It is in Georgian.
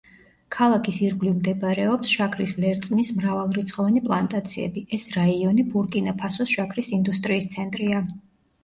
ქალაქის ირგვლივ მდებარეობს შაქრის ლერწმის მრავალრიცხოვანი პლანტაციები; ეს რაიონი ბურკინა-ფასოს შაქრის ინდუსტრიის ცენტრია.